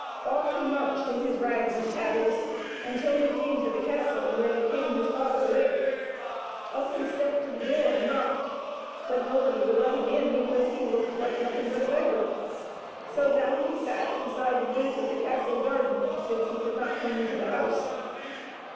Off he marched in his rags and tatters until he came to the castle where the king, his father, lived. Up he stepped to the door and knocked, but nobody would let him in because he looked like nothing but a beggar. So down he sat beside the gate of the castle garden, since he could not come into the house.